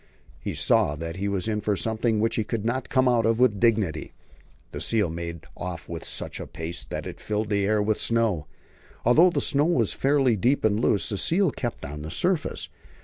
He saw that he was in for something which he could not come out of with dignity. The seal made off at such a pace that it filled the air with snow. Although the snow was fairly deep and loose, the seal kept on the surface.